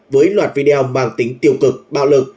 với loạt video bằng tính tiêu cực bạo lực